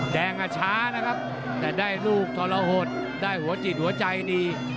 แดงอ่ะช้านะครับแต่ได้ลูกทรหดได้หัวจิตหัวใจดี